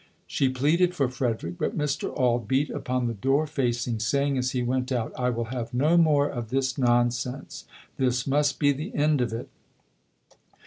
She pleaded for Frederick, but Mr. Auld beat upon the door facing, saying as he went out, "I will have no more of this nonsense. This must be the end of it".